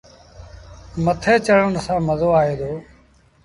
مٿي چڙڄڻ سآݩ مزو آئي دو۔